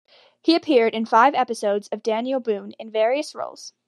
He appeared in five episodes of "Daniel Boone" in various roles.